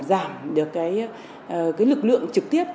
giảm được lực lượng trực tiếp